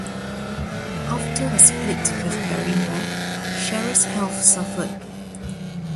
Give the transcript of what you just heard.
After her split with Barrymore, Cheryl's health suffered.